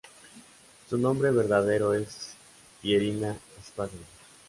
Su nombre verdadero es Pierina Spagna.